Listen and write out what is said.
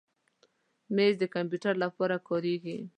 مېز د کمپیوټر لپاره کارېږي.